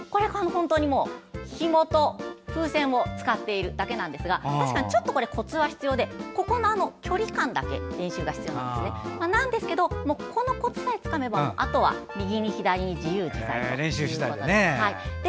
ひもと風船を使っているだけなんですが確かにちょっとコツは必要でここの距離感だけ練習が必要なんですがコツさえつかめばあとは右に左に自由自在ということで。